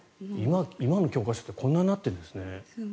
今の教科書ってこんなんになっているんですね。